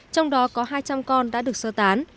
trong đó có hai trăm linh con đã được sơ tán